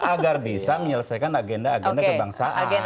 agar bisa menyelesaikan agenda agenda kebangsaan